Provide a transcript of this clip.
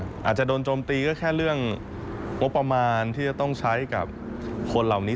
อาจจะโดนโจมตีก็แค่เรื่องงบประมาณที่จะต้องใช้กับคนเหล่านี้